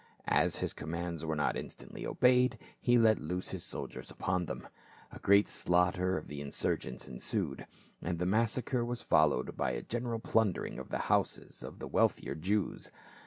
As his commands were not instantly obeyed, he let loose his soldiers upon them. A great slaughter of the insurgents ensued, and the massacre was followed by a general plundering of the houses of the wealthier Jews.